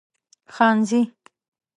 خانزي